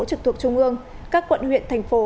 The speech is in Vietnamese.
trực thuộc trung ương các quận huyện thành phố